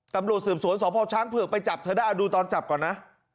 ตำรวจสืบสวนสพช้างเผือกไปจับเธอได้ดูตอนจับก่อนนะ